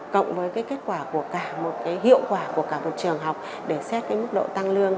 cộng với cái kết quả của cả một cái hiệu quả của cả một trường học để xét cái mức độ tăng lương